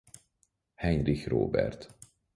Heinrich Róbert.